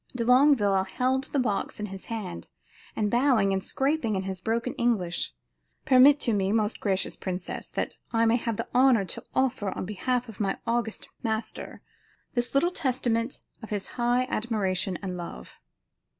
De Longueville held the box in his hand, and bowing and scraping said in broken English: "Permit to me, most gracious princess, that I may have the honor to offer on behalf of my august master, this little testament of his high admiration and love."